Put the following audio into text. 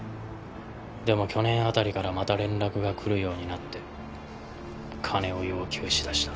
でも去年辺りからまた連絡が来るようになって金を要求し出した。